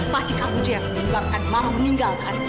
pasti kamu yang menyebabkan mama meninggalkan